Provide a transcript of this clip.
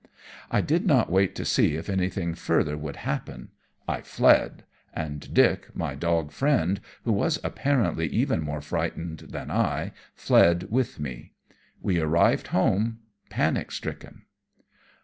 I did not wait to see if anything further would happen. I fled, and Dick, my dog friend, who was apparently even more frightened than I, fled with me. We arrived home panic stricken.